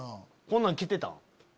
こんなん着てた？